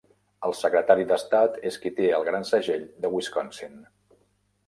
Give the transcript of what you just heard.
El Secretari d'Estat és qui té el gran segell de Wisconsin.